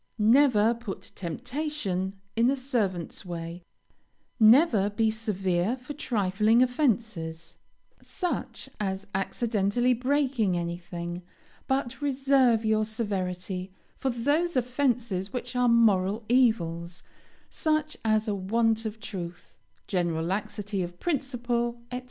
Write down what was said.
Never put temptation in a servant's way; never be severe for trifling offences, such as accidentally breaking anything, but reserve your severity for those offences which are moral evils, such as a want of truth, general laxity of principle, &c.